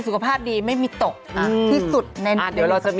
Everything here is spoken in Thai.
สุขภาพดีไม่มีตกที่สุดในเดือนอีกสัปดาห์